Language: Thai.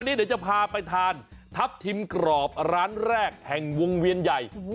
เดี๋ยวจะพาไปทานทัพทิมกรอบร้านแรกแห่งวงเวียนใหญ่